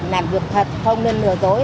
làm việc thật không nên lừa dối